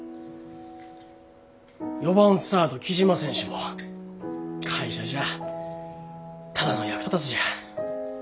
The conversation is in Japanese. ４番サード雉真選手も会社じゃあただの役立たずじゃ。